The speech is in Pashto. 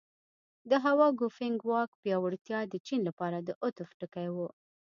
د هوا ګوفینګ واک پیاوړتیا د چین لپاره د عطف ټکی و.